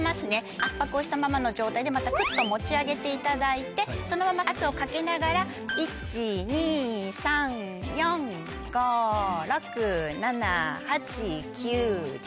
圧迫をしたままの状態でまたくっと持ち上げていただいてそのまま圧をかけながら１・２・３・４・５６・７・８・９・１０。